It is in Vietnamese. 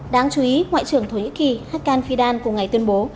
đáng chú ý ngoại trưởng thổ nhĩ kỳ hakan fidan cùng ngày tuyên bố